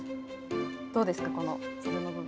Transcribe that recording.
どうですか、この袖の部分。